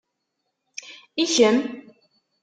I kemm?